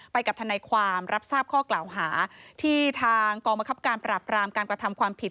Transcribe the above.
กับทนายความรับทราบข้อกล่าวหาที่ทางกองบังคับการปราบรามการกระทำความผิด